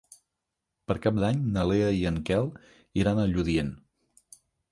Per Cap d'Any na Lea i en Quel iran a Lludient.